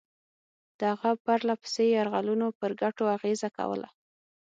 د هغه پرله پسې یرغلونو پر ګټو اغېزه کوله.